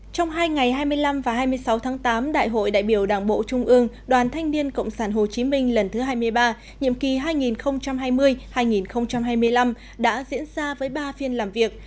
trong hai ngày hai mươi năm và hai mươi sáu tháng tám đại hội đại biểu đảng bộ trung ương đoàn thanh niên cộng sản hồ chí minh lần thứ hai mươi ba nhiệm kỳ hai nghìn hai mươi hai nghìn hai mươi năm đã diễn ra với ba phiên làm việc